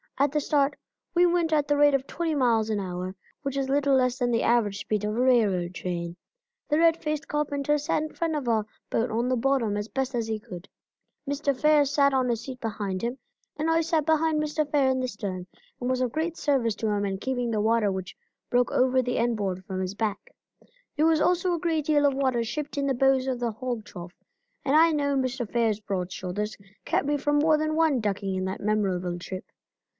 At the start we went at the rate of twenty miles an hour, which is a little less than the average speed of a railroad train. The red faced carpenter sat in front of our boat on the bottom as best he could. Mr. Fair sat on a seat behind him, and I sat behind Mr. Fair in the stern and was of great service to him in keeping the water which broke over the end board, from his back. There was also a great deal of water shipped in the bows of the hog trough, and I know Mr. Fair's broad shoulders kept me from more than one ducking in that memorable trip.